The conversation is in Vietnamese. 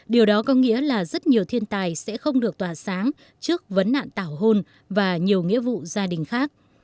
điều đó có nghĩa là rất nhiều thiên tài sẽ không được tỏa sáng trước vấn nạn tảo hôn và nhiều nghĩa vụ gia đình khác